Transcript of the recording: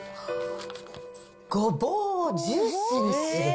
ごぼうをジュースにする。